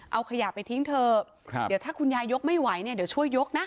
เอาขยะไปทิ้งเถอะเดี๋ยวถ้าคุณยายยกไม่ไหวเนี่ยเดี๋ยวช่วยยกนะ